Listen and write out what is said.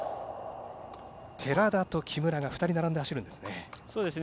寺田と木村が２人並んで走るんですね。